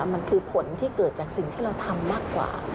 มันคือผลที่เกิดจากสิ่งที่เราทำมากกว่า